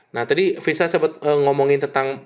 nah tadi vincent sempet ngomongin tentang